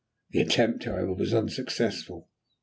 The attempt, however, was unsuccessful.